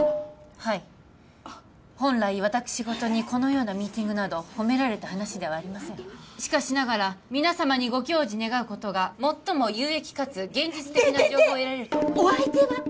はい本来私事にこのようなミーティングなど褒められた話ではありませんしかしながら皆様にご教示願うことが最も有益かつ現実的でででお相手は？